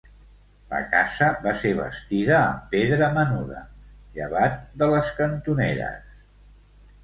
La casa va ser bastida amb pedra menuda, llevat de les cantoneres.